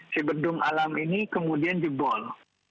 si bendung alam ini kemudian jebol